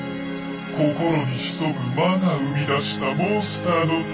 心に潜む魔が生み出したモンスターの戦い